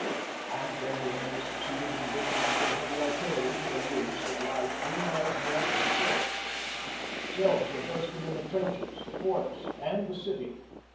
And then the enemy succeeded in bringing up their heavy artillery to the ridge that lies three miles north of the forts. Shells were bursting in the trenches, the forts, and the city.